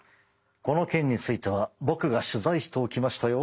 この件については僕が取材しておきましたよ！